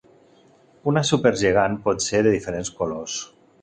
Una supergegant pot ser de diferents colors.